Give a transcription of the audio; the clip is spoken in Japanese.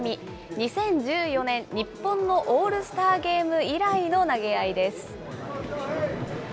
２０１４年、日本のオールスターゲーム以来の投げ合いです。